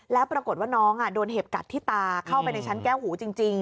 แล้วปรากฏว่าน้องโดนเห็บกัดที่ตาเข้าไปในชั้นแก้วหูจริง